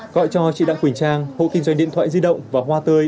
gọi cho chị đặng quỳnh trang hộ kinh doanh điện thoại di động và hoa tươi